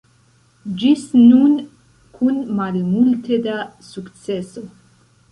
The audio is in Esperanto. Ĝis nun kun malmulte da sukceso.